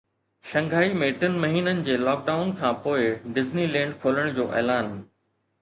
شنگهائي ۾ ٽن مهينن جي لاڪ ڊائون کانپوءِ ڊزني لينڊ کولڻ جو اعلان